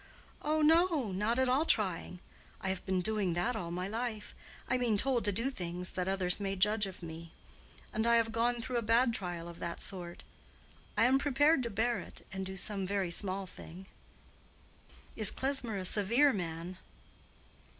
"Oh, no, not at all trying. I have been doing that all my life—I mean, told to do things that others may judge of me. And I have gone through a bad trial of that sort. I am prepared to bear it, and do some very small thing. Is Klesmer a severe man?"